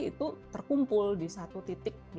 itu terkumpul di satu titik